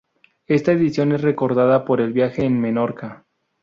Esta edición es recordada por el viaje en Menorca.